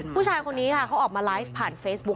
ผู้ชายคนนี้ค่ะเขาออกมาไลฟ์ผ่านเฟซบุ๊